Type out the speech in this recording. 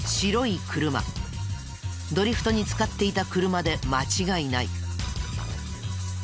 ドリフトに使っていた車で間違いない。